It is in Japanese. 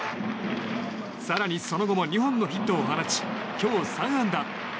更に、その後も２本のヒットを放ち今日、３安打。